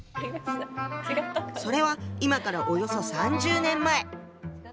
それは今からおよそ３０年前。